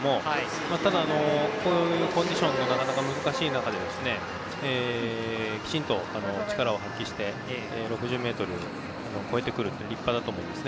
ただ、コンディションもなかなか難しい中できちんと力を発揮して６０ｍを超えてくるのは立派だと思います。